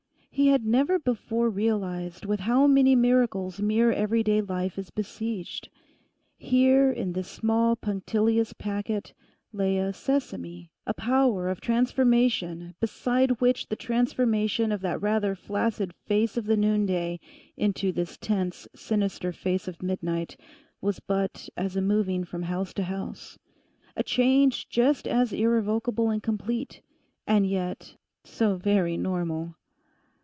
He had never before realized with how many miracles mere everyday life is besieged. Here in this small punctilious packet lay a Sesame—a power of transformation beside which the transformation of that rather flaccid face of the noonday into this tense, sinister face of midnight was but as a moving from house to house—a change just as irrevocable and complete, and yet so very normal.